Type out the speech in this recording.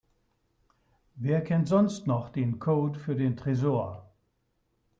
Wer kennt sonst noch den Code für den Tresor?